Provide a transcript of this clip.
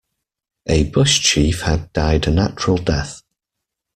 A bush chief had died a natural death.